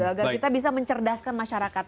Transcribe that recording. agar kita bisa mencerdaskan masyarakat